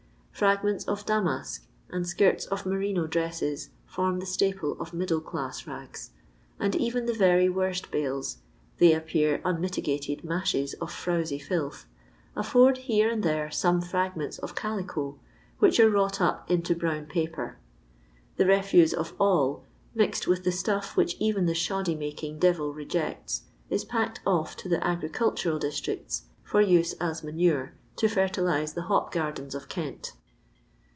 Fragments of damask and skirts of merino dresses form the staple of middle class rngs; and even the very worst bales — they appear unmitigated mashes of frowiy filth — afibrd here and there some fragments of calico, which are wrought up into brown paper. The refuse of all, mixed with the stuff whieh even the shoddy making devil rejects, is packed off to the agricultural districts for use as manure, to fer tilise the hop gardens of Kent.